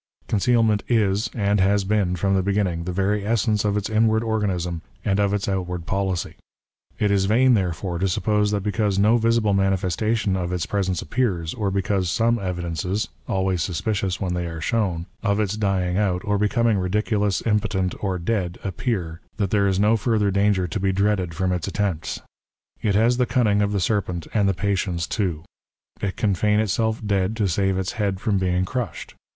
Concealment is, and has been from the beginning, the very essence of its inward organism and of its outward PREFACE. XXI policy. It is vain therefore to suppose that because no visible manifestation of its presence appears, or because some evidences — always suspicious when they are shown — of its (lying out, or becoming ridiculous, impotent, or dead, appear, that there is no further danger to be dreaded from its attempts. It has the cunning of the serpent, and the patience too. It can feign itself dead to save its head from being crushed.